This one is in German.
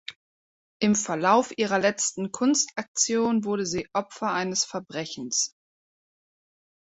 Im Verlauf ihrer letzten Kunstaktion wurde sie Opfer eines Verbrechens.